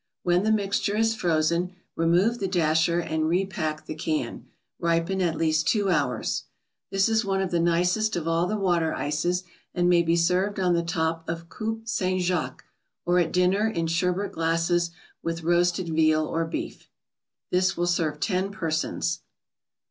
When the mixture is frozen, remove the dasher and repack the can; ripen at least two hours. This is one of the nicest of all the water ices, and may be served on the top of Coupe St. Jacque, or at dinner in sherbet glasses with roasted veal or beef. This will serve ten persons.